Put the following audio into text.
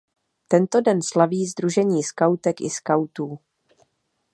Tento den slaví sdružení skautek i skautů.